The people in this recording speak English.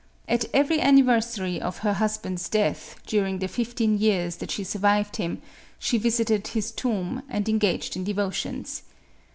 At every anniversary pf her husband's death, during the fifteen years that she survived him, she visited his tomb, and engaged in devotions.